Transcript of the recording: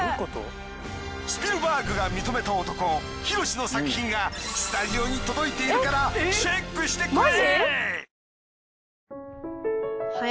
スピルバーグが認めた男ヒロシの作品がスタジオに届いているからチェックしてくれ。